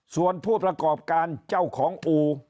ส่วนผู้ประกอบการเจ้าของอู่